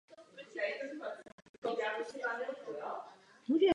Sama jsem se snažila něco udělat prostřednictvím programu Bezpečnější internet.